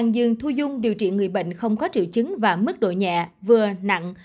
một dường thu dung điều trị người bệnh không có triệu chứng và mức độ nhẹ vừa nặng